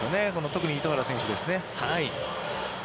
特に糸原選手ですね。